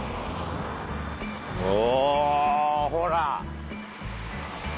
おほら。